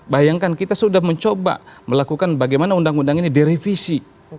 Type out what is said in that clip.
bayangkan kita sudah mencoba melakukan bagaimana undang undang ini direvisi